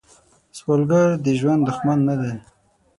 سوالګر د ژوند دښمن نه دی